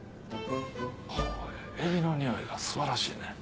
これエビの匂いが素晴らしいね。